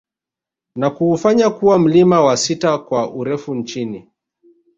Na kuufanya kuwa mlima wa sita kwa urefu nchini